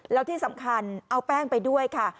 แล้วที่สำคัญเอาแป้งไปด้วยค่ะ